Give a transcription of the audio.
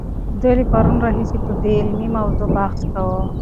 دوی له پرون راهیسې په دې علمي موضوع بحث کاوه.